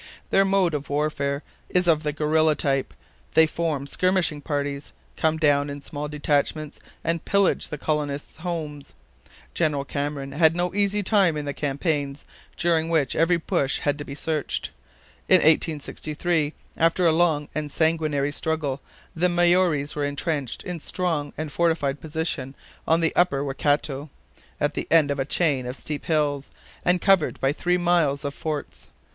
Their mode of warfare is of the guerilla type; they form skirmishing parties, come down in small detachments, and pillage the colonists' homes. General Cameron had no easy time in the campaigns, during which every bush had to be searched. In 1863, after a long and sanguinary struggle, the Maories were entrenched in strong and fortified position on the Upper Waikato, at the end of a chain of steep hills, and covered by three miles of forts.